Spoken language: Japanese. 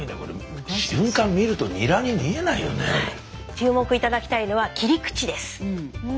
注目頂きたいのは切り口です。